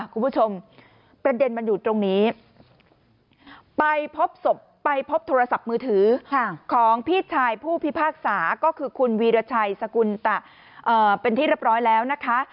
คุณผู้ชมประเด็นมันอยู่ตรงนี้ไปพบศพไปพบโทรศัพท์มือถือของพี่ชายผู้พิพากษาก็คือคุณวีรชัยสกุลตะเป็นที่เรียบร้อยแล้วนะคะ